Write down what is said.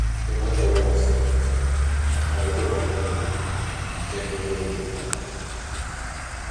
Dyma ddôl wastad eto, a choed o boptu iddi, lle hyfryd ddigon.